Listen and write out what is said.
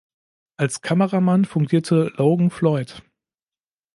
Als Kameramann fungierte Logan Floyd.